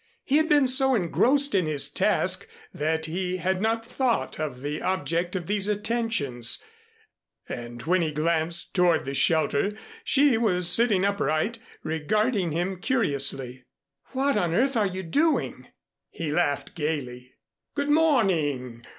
He had been so engrossed in his task that he had not thought of the object of these attentions, and when he glanced toward the shelter, she was sitting upright, regarding him curiously. "What on earth are you doing?" He laughed gayly. "Good morning!